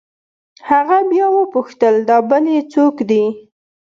هغه بيا وپوښتل دا بل يې سوک دې.